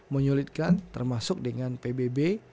menyulitkan termasuk dengan pbb